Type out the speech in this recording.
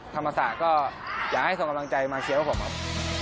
ธรรมศาสตร์ก็อยากให้ส่งกำลังใจมาเชียร์ผมครับ